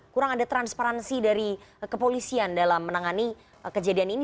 kurang ada transparansi dari kepolisian dalam menangani kejadian ini